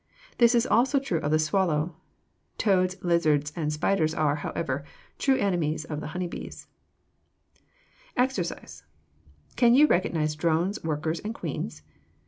This is also true of the swallow. Toads, lizards, and spiders are, however, true enemies of the honeybee. EXERCISE Can you recognize drones, workers, and queens?